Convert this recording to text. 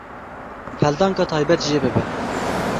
Peldanka taybet jê bibe.